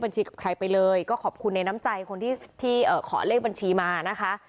กับใครไปเลยก็ขอบคุณในน้ำใจคนที่ขอเลขบัญชีมานะคะ